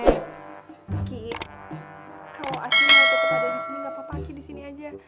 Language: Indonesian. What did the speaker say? ki kalo aki masih tetep ada di sini gapapa aki di sini aja